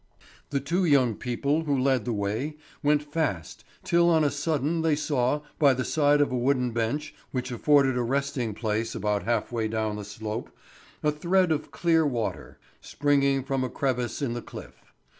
The two young people who led the way went fast till on a sudden they saw, by the side of a wooden bench which afforded a resting place about half way down the slope, a thread of clear water, springing from a crevice in the cliff.